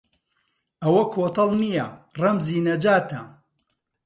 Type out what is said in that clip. ئەوە کۆتەڵ نییە ڕەمزی نەجاتە